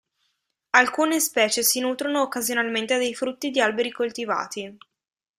Alcune specie si nutrono occasionalmente dei frutti di alberi coltivati.